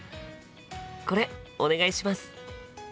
これお願いします！